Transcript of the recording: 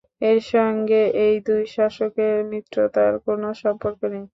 এর সঙ্গে এই দুই শাসকের মিত্রতার কোন সম্পর্ক নেই।